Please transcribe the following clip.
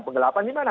penggelapan di mana